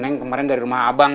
neng kemarin dari rumah abang ya